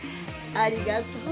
ありがとう。